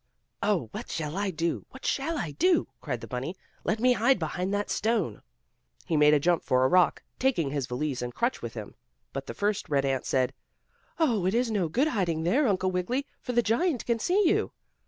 "Oh, what shall I do? What shall I do?" cried the bunny. "Let me hide behind that stone." He made a jump for a rock, taking his valise and crutch with him, but the first red ant said: "It is no good hiding there, Uncle Wiggily, for the giant can see you."